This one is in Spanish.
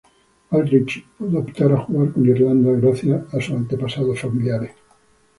Aldridge pudo optar a jugar con Irlanda gracias a sus antepasados familiares.